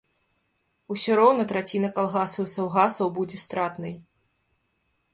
Усё роўна траціна калгасаў і саўгасаў будзе стратнай.